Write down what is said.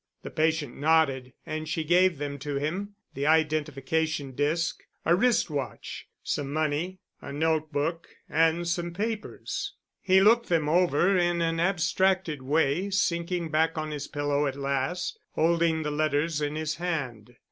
The patient nodded and she gave them to him, the identification disk, a wrist watch, some money, a note book and some papers. He looked them over in an abstracted way, sinking back on his pillow at last, holding the letters in his hand.